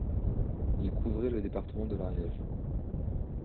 Il couvrait le département de l'Ariège.